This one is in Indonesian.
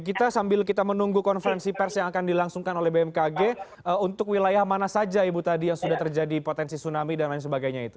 kita sambil kita menunggu konferensi pers yang akan dilangsungkan oleh bmkg untuk wilayah mana saja ibu tadi yang sudah terjadi potensi tsunami dan lain sebagainya itu